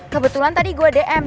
kebetulan tadi gue dm